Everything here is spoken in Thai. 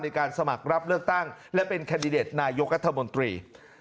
ในการสมัครรับเลือกตั้งและเป็นแคนดิเดตนายกรัฐมนตรี